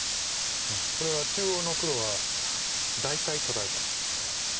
これは中央の黒は大体取られたんですけど。